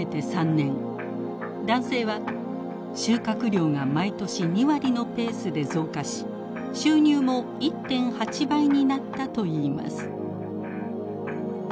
男性は収穫量が毎年２割のペースで増加し収入も１．８倍になったといいます。